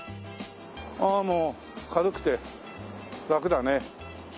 ああもう軽くてラクだね。